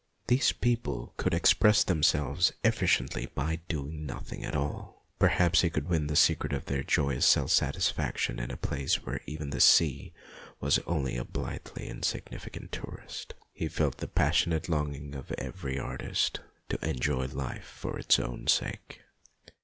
These people could ex press themselves efficiently by doing nothing at all ; perhaps he could win the secret of their joyous self satisfaction in a place where even the sea was only a blithely insignificant tourist. He felt the passionate longing of every artist to enjoy life for its own sake.